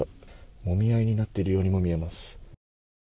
もみ合いになっているようにも見えます。